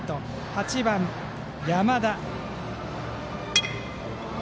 ８番の山田。